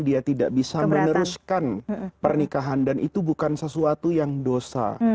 dia tidak bisa meneruskan pernikahan dan itu bukan sesuatu yang dosa